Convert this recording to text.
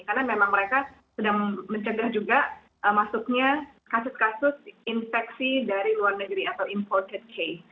karena memang mereka sedang mencegah juga masuknya kasus kasus infeksi dari luar negeri atau imported case